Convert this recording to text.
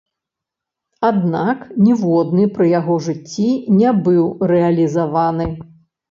Аднак ніводны пры яго жыцці не быў рэалізаваны.